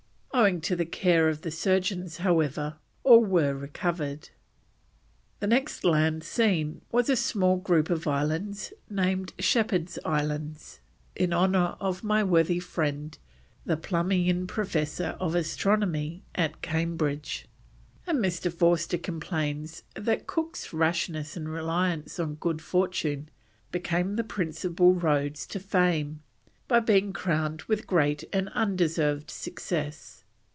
Owing to the care of the surgeons, however "all were recovered." The next land seen was a small group of islands, named Shepherd's Islands, "in honour of my worthy friend, the Plumian Professor of Astronomy at Cambridge"; and Mr. Forster complains that Cook's "rashness and reliance on good fortune become the principal roads to fame, by being crowned with great and undeserved success."